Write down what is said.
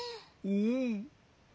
うん。